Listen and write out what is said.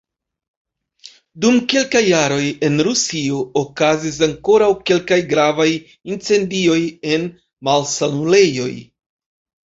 Dum kelkaj jaroj en Rusio okazis ankoraŭ kelkaj gravaj incendioj en malsanulejoj.